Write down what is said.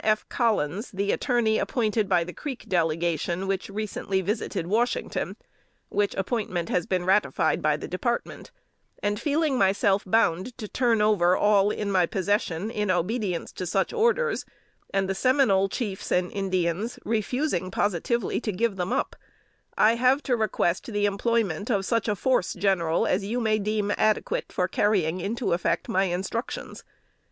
F. Collins, the attorney appointed by the Creek Delegation which recently visited Washington, which appointment has been ratified by the Department; and feeling myself bound to turn over all in my possession, in obedience to such orders, and the Seminole chiefs and Indians refusing positively to give them up, I have to request the employment of such a force, General, as you may deem adequate for carrying into effect my instructions.